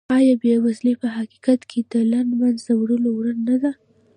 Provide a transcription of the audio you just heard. ایا بېوزلي په حقیقت کې د له منځه وړلو وړ نه ده؟